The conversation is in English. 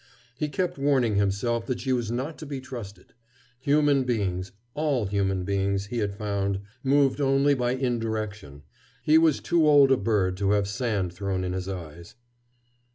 He kept warning himself that she was not to be trusted. Human beings, all human beings, he had found, moved only by indirection. He was too old a bird to have sand thrown in his eyes.